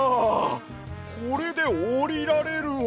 これでおりられるわ。